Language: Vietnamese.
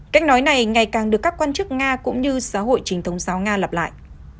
cách nói này ngày càng được các quan chức nga cũng như xã hội trình thống giáo nga lặp lại